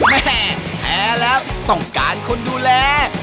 แม่แท้แล้วต้องการคนดูแล